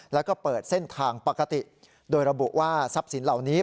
แล้วก็เปิดเส้นทางปกติโดยระบุว่าทรัพย์สินเหล่านี้